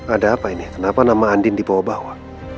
ada apa ini kenapa nama andin dibawa bawa